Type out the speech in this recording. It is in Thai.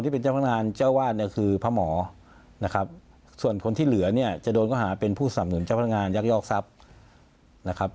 ผู้สำหนุนเจ้าพนักงานยักษ์ยอกทรัพย์นะครับ